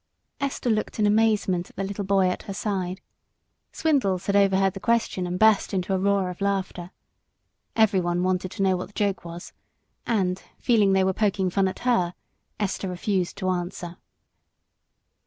Esther looked in amazement at the little boy at her side. Swindles had overheard the question and burst into a roar of laughter. Everyone wanted to know what the joke was, and, feeling they were poking fun at her, Esther refused to answer.